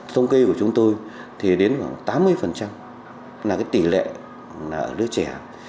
thông kê của chúng tôi thì đến khoảng tám mươi là tỷ lệ ở nước trẻ